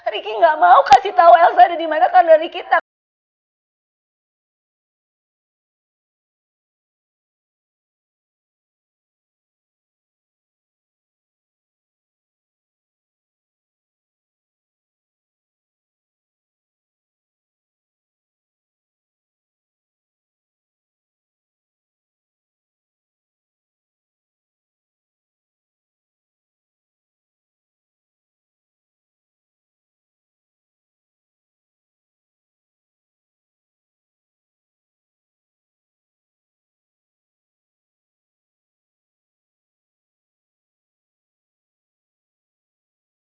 riki gak mau kasih tahu elsa ada di mana karena riki tak tahu